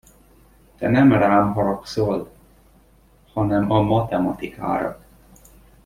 Te nem rám haragszol, hanem a matematikára.